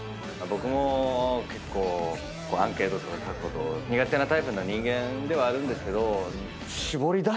僕も結構アンケートとか書くこと苦手なタイプの人間ではあるんですけど。